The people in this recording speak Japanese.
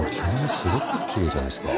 すごく奇麗じゃないですか？